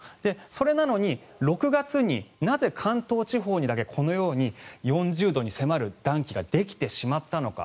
それなのに６月になぜ関東地方にだけこのように４０度に迫る暖気ができてしまったのか。